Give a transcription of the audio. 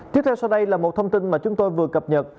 tiếp theo sau đây là một thông tin mà chúng tôi vừa cập nhật